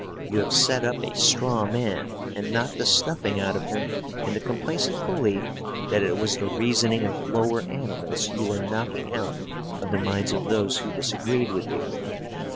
You have set up a straw man and knocked the stuffing out of him in the complacent belief that it was the reasoning of lower animals you were knocking out of the minds of those who disagreed with you.